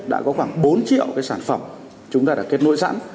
đã có khoảng bốn triệu sản phẩm chúng ta đã kết nối sẵn